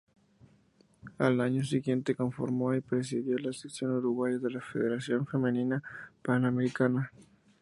Al año siguiente conformó y presidió la sección uruguaya de la Federación Femenina Panamericana.